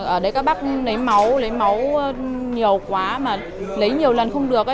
ở đấy các bác lấy máu lấy máu nhiều quá mà lấy nhiều lần không được